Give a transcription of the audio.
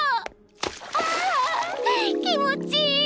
あ気持ちいい！